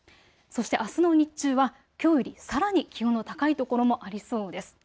そしてあすの日中はきょうよりさらに気温の高い所もありそうです。